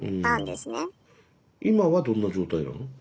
今はどんな状態なの？